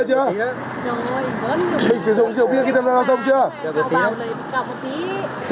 họ tên anh là gì